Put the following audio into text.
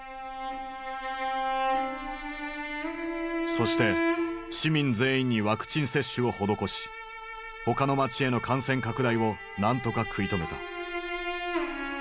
そして市民全員にワクチン接種を施し他の町への感染拡大を何とか食い止めた。